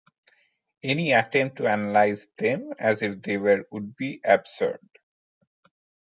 Any attempt to analyse them as if they were would be absurd.